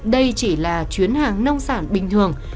đây chỉ là chuyến hàng nông sản bình thường